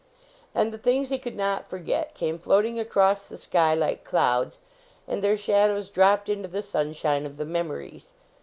And the things he could not forget came floating across the sky like clouds, and their shadows dropped into the sunshine of the memories.